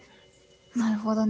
なるほどね。